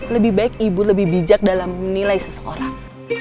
lebih baik ibu lebih bijak dalam menilai seseorang